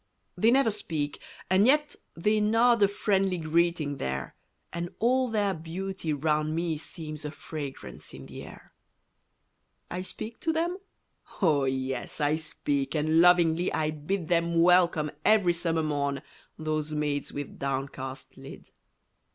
They never speak and yet they nod A friendly greeting there, And all their beauty round me seems A fragrance in the air. I speak to them? Oh, yes, I speak And lovingly I bid Them welcome every summer morn, Those maids with downcast lid!